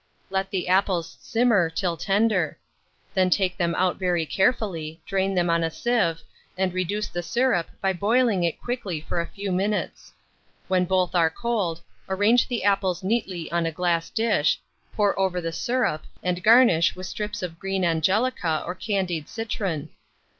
Let the apples simmer till tender; then take them out very carefully, drain them on a sieve, and reduce the syrup by boiling it quickly for a few minutes. When both are cold, arrange the apples neatly on a glass dish, pour over the syrup, and garnish with strips of green angelica or candied citron.